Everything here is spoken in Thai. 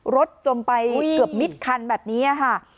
จมไปเกือบมิดคันแบบนี้ค่ะ